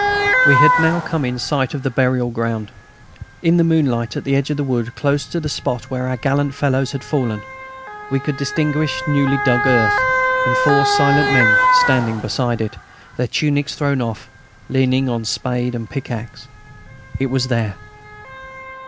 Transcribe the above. We had now come in sight of the burial ground. In the moonlight, at the edge of the wood close to the spot where our gallant fellows had fallen, we could distinguish newly dug earth, and four silent men standing beside it, their tunics thrown off, leaning on spade and pickaxe. It was there.